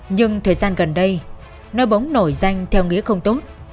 nhưng thời gian gần đây nơi bóng nổi danh theo nghĩa không tốt